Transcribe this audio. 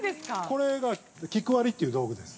◆これが菊割りっていう道具です。